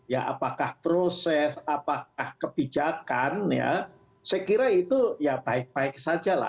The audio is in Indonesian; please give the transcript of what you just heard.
ya apakah proses apakah kebijakan saya kira itu baik baik saja